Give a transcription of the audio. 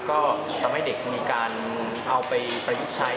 ก็ทำให้เด็กมีการเอาไปประยุกต์ใช้